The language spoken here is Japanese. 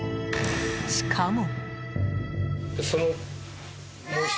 しかも。